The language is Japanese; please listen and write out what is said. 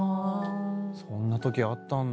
そんなときあったんだ。